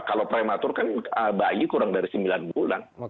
kalau prematur kan bayi kurang dari sembilan bulan